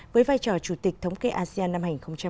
với vai trò chủ tịch thống kê asean năm hai nghìn hai mươi